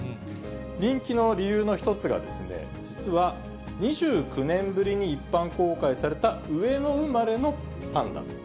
人気の理由の一つが、実は２９年ぶりに一般公開された、上野生まれのパンダ。